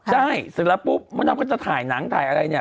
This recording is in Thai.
ใช่เสร็จแล้วปุ๊บมะดำก็จะถ่ายหนังถ่ายอะไรเนี่ย